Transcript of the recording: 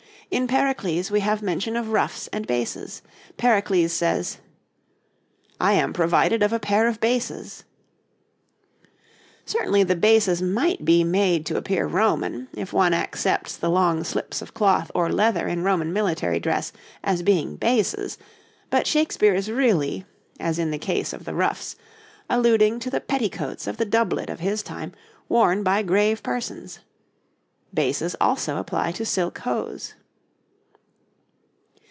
In 'Pericles' we have mention of ruffs and bases. Pericles says: 'I am provided of a pair of bases.' Certainly the bases might be made to appear Roman, if one accepts the long slips of cloth or leather in Roman military dress as being bases; but Shakespeare is really as in the case of the ruffs alluding to the petticoats of the doublet of his time worn by grave persons. Bases also apply to silk hose.